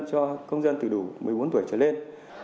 cho công dân từ đủ một mươi bốn tuổi trở lên